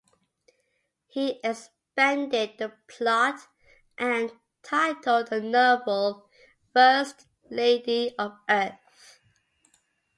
He expanded the plot and titled the novel "First Lady of Earth".